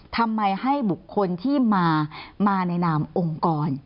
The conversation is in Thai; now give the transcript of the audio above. ทำไมให้บุคคลที่มาในนามองค์กร